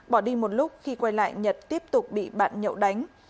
bỏ đi một lúc khi quay lại nhật tiếp tục bị bạn nhậu đánh